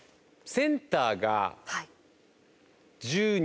センターが１２。